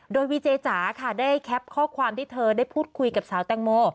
โดยวีเจจ๋าค่ะได้แคปข้อความที่เธอได้พูดคุยกับสาวแตงโม